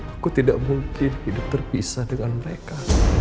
aku tidak mungkin hidup terpisah dengan mereka